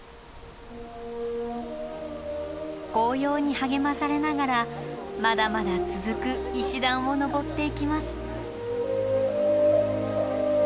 紅葉に励まされながらまだまだ続く石段を上っていきます。